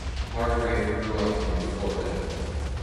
Hargrave grew up in Florida.